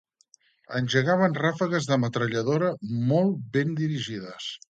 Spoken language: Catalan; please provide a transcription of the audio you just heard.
Engegaven ràfegues de metralladora molt ben dirigides